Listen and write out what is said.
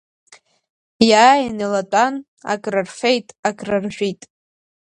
Иааин илатәан акрырфеит, акрыржәит.